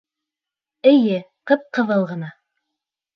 — Эйе, ҡып-ҡыҙыл ғына.